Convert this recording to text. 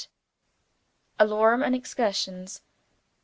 Alarum, and Excursions.